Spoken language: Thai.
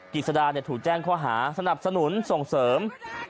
กฤษฎาถูกแจ้งเขาหาสนับสนุนส่งเสริม